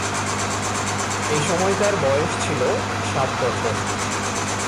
এসময় তার বয়স ছিল সাত বছর।